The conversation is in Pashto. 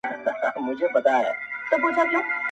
د سترگو په جومات كي پـــر لمـــانــځــه مـــي ژړوې.